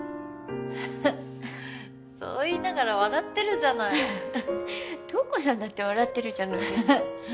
フフッそう言いながら笑ってるじゃない瞳子さんだって笑ってるじゃないですか